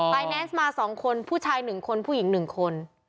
ไฟแนนซ์มาสองคนผู้ชายหนึ่งคนผู้หญิงหนึ่งคน